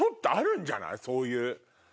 そういう。